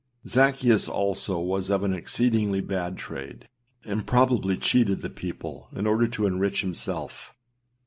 Zaccheus also was of an exceedingly bad trade, and probably cheated the people in order to enrich himself.